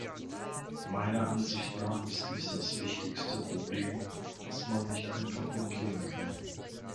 Meiner Ansicht nach ist dies das wichtigste Problem, das man nicht einfach umgehen kann.